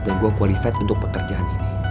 dan gue qualified untuk pekerjaan ini